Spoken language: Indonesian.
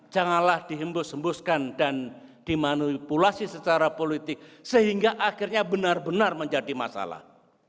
janganlah dihembus hembuskan dan dimanipulasi secara politik sehingga akhirnya benar benar menjadi masalah